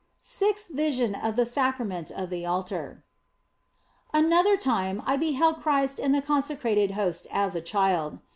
SIXTH VISION OF THE SACRAMENT OF THE ALTAR ANOTHER time I beheld Christ in the consecrated Host as a Child.